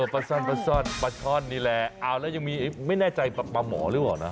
ปลาซ่อนปลาช่อนนี่แหละไม่แน่ใจปลาหมอหรือเปล่านะ